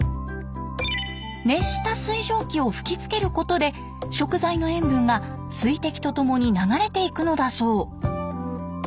熱した水蒸気を吹きつけることで食材の塩分が水滴とともに流れていくのだそう。